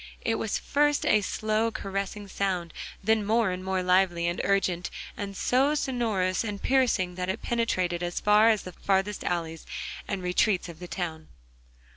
It was first a slow, caressing sound, then more and more lively and urgent, and so sonorous and piercing that it penetrated as far as the farthest alleys and retreats of the town.